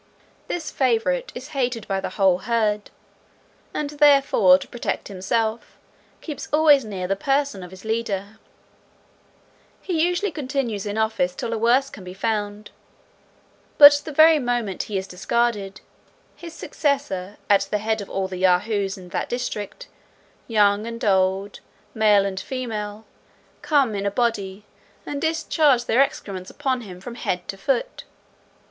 This favourite is hated by the whole herd, and therefore, to protect himself, keeps always near the person of his leader. He usually continues in office till a worse can be found; but the very moment he is discarded, his successor, at the head of all the Yahoos in that district, young and old, male and female, come in a body, and discharge their excrements upon him from head to foot.